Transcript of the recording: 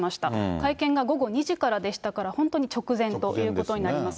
会見が午後２時からでしたから、本当に直前ということになります。